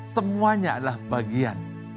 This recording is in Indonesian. semuanya adalah bagian